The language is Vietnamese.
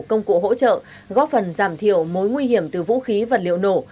công cụ hỗ trợ góp phần giảm thiểu mối nguy hiểm từ vũ khí vật liệu nổ